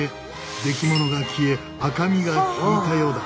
できものが消え赤みが引いたようだ。